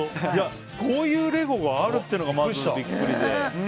こういうレゴがあるっていうのがまずビックリで。